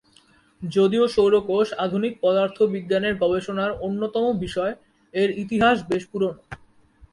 যদিও সৌর কোষ আধুনিক পদার্থবিজ্ঞানের গবেষণার অন্যতম বিষয়, এর ইতিহাস বেশ পুরনো।